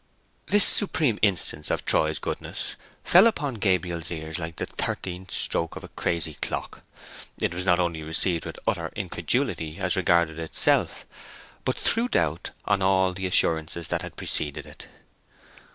This supreme instance of Troy's goodness fell upon Gabriel ears like the thirteenth stroke of crazy clock. It was not only received with utter incredulity as regarded itself, but threw a doubt on all the assurances that had preceded it.